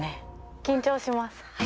緊張します。